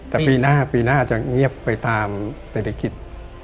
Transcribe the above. แต่ปีหน้าปีหน้าจะเงียบไปตามเศรษฐกิจ